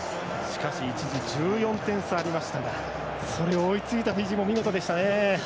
しかし一時１４点差ありましたが追いついたフィジーも見事でしたね。